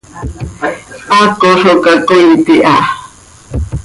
Haaco zo cacoiit iha.